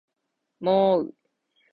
もーう